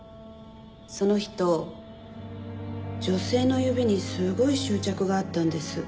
その人女性の指にすごい執着があったんです。